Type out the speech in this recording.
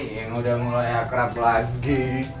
yang udah mulai akrab lagi